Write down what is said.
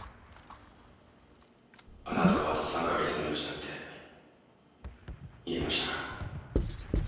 あなたはあと３カ月の命だって言えましたか？